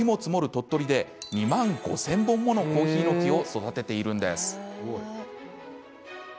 鳥取で２万５０００本ものコーヒーの木を育てているんです。